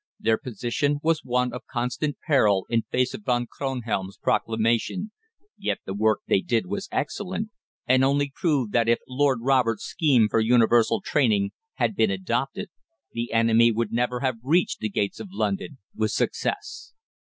Their position was one of constant peril in face of Von Kronhelm's proclamation, yet the work they did was excellent, and only proved that if Lord Roberts' scheme for universal training had been adopted the enemy would never have reached the gates of London with success.